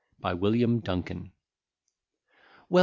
BY WILLIAM DUNKIN Well!